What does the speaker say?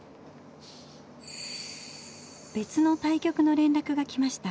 別の対局の連絡が来ました。